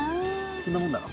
こんなもんだろ。